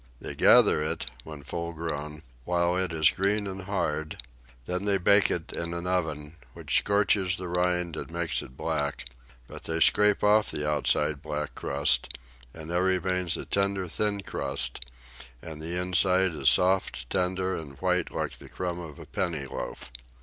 They gather it, when full grown, while it is green and hard; then they bake it in an oven, which scorches the rind and makes it black; but they scrape off the outside black crust, and there remains a tender thin crust; and the inside is soft, tender, and white like the crumb of a penny loaf.